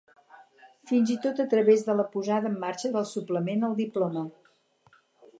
fins i tot a través de la posada en marxa del suplement al diploma